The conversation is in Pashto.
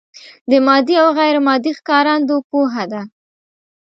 د مادي او غیر مادي ښکارندو پوهه ده.